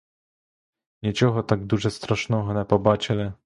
Нічого так дуже страшного не побачили.